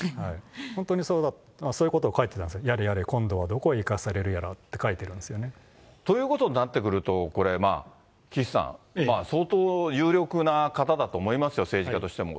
本当にそういうことを書いてたんですよ、やれやれ、今度はどこへ行かされるやらって書いてるんですよね。ということになってくると、これ、岸さん、相当有力な方だと思いますよ、政治家としても。